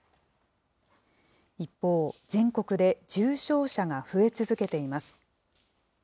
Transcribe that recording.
一方、全国で重症者が増え続けています。